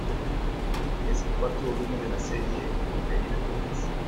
Es el cuarto volumen de la serie "Las Gallinas Locas".